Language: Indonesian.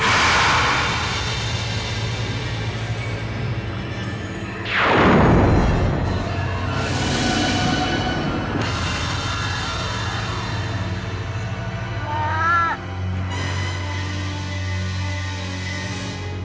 aku tidak akan menang